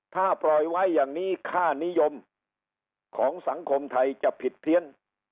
ถ้าปล่อยไว้อย่างนี้ค่านิยมของสังคมไทยจะผิดเพี้ยน